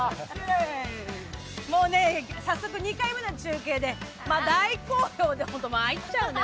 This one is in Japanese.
もうね、早速、２回目の中継で、大好評でホント、まいっちゃうね。